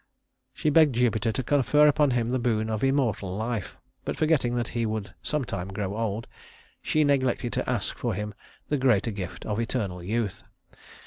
She begged Jupiter to confer upon him the boon of immortal life; but forgetting that he would sometime grow old, she neglected to ask for him the greater gift of eternal youth.